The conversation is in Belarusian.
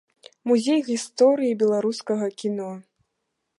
Музей гісторыі беларускага кіно.